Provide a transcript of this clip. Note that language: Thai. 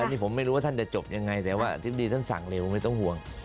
อันนี้ผมไม่รู้ว่าท่านจะจบยังไงแต่ว่าอธิบดีท่านสั่งเร็วไม่ต้องห่วง